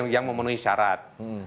yang memenuhi syarat